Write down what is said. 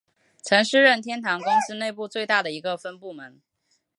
曾是任天堂公司内部最大的一个分部门。